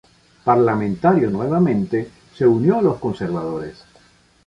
Parlamentario nuevamente, se unió a los conservadores.